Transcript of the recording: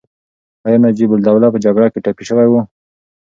ایا نجیب الدوله په جګړه کې ټپي شوی و؟